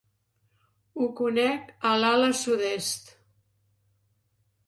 Ho conec a l'ala sud-est.